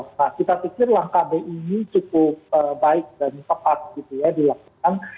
nah kita pikir langkah bi ini cukup baik dan tepat gitu ya dilakukan